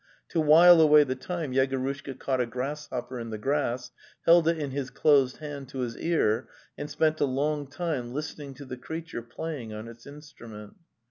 To while away the time Yego rushka caught a grasshopper in the grass, held it in his closed hand to his ear, and spent a long time listening to the creature playing on its instrument.